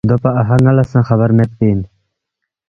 دوپا اَہا ن٘ا لہ سہ خبر میدپی اِن